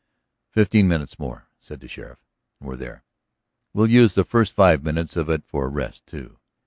"Fifteen minutes more," said the sheriff, "and we're there. We'll use the first five minutes of it for a rest, too."